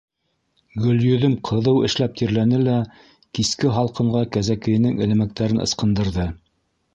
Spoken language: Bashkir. Гөлйөҙөм ҡыҙыу эшләп тирләне лә киске һалҡынға кәзәкейенең элмәктәрен ысҡындырҙы.